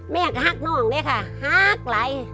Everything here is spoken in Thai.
แม่ก็ฮักน้องเลยค่ะฮักไหล